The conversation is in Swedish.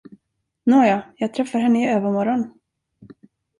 Nåja, jag träffar henne i övermorgon!